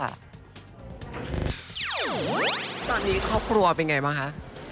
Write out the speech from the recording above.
ตอนนี้ครอบครัวเป็นไงบ้างคะ